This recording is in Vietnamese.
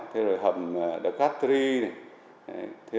thế rồi hầm the cat tree này